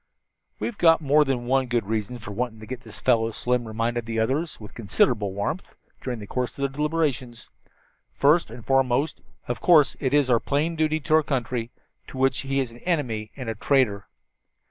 "We've got more than one good reason for wanting to get this fellow," Slim reminded the others with considerable warmth, during the course of their deliberations. "First and foremost, of course, is our plain duty to our country, to which he is an enemy and a traitor.